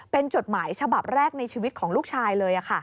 เป็นจดหมายฉบับแรกในชีวิตของลูกชายเลย